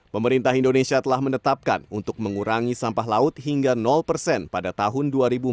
pemerintah indonesia telah menetapkan untuk mengurangi sampah laut hingga persen pada tahun dua ribu empat belas